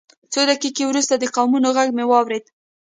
څو دقیقې وروسته د قدمونو غږ مې واورېد